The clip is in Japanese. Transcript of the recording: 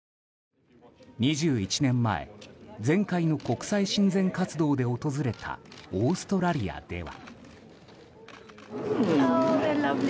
２１年前前回の国際親善活動で訪れたオーストラリアでは。